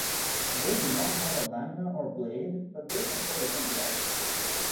They do not have a lamina or blade, but they can photosynthesize.